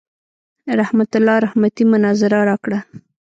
رحمت الله رحمتي مناظره راکړه.